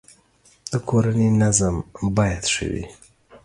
د کورنی نظم باید ښه وی